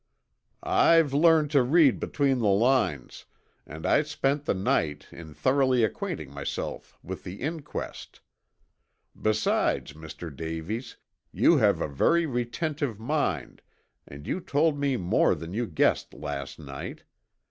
"I've learned to read between the lines and I spent the night in thoroughly acquainting myself with the inquest. Besides, Mr. Davies, you have a very retentive mind and you told me more than you guessed last night.